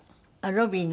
ロビーに？